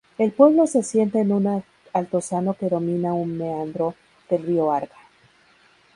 El pueblo se asienta en un altozano que domina un meandro del río Arga.